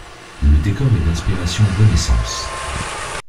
Le décor est d'inspiration Renaissance.